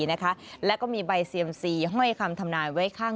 คิดกันเองค่ะเป็นธุรกิจของครอบครัวเราค่ะ